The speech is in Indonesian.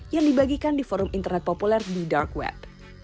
yang dibagikan di forum internet populer di dark wet